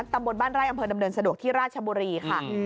ตำบลบ้านไร่อำเภอดำเนินสะดวกที่ราชบุรีค่ะ